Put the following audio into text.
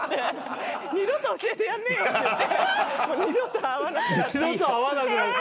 「二度と教えてやんねえよ」って二度と会わなくなった。